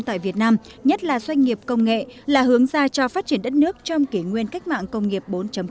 tại việt nam nhất là doanh nghiệp công nghệ là hướng ra cho phát triển đất nước trong kỷ nguyên cách mạng công nghiệp bốn